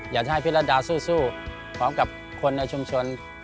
อยากให้ภิรดาสู้พร้อมกับคนในชุมชน